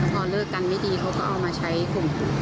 พอเลิกกันไม่ดีเขาก็เอามาใช้ข่มขู่